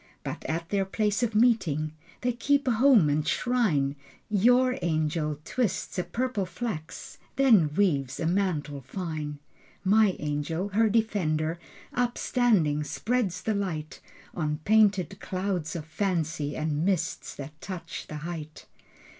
But at their place of meeting They keep a home and shrine. Your angel twists a purple flax, Then weaves a mantle fine. My angel, her defender Upstanding, spreads the light On painted clouds of fancy And mists that touch the height.